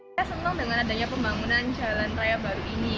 saya senang dengan adanya pembangunan jalan raya baru ini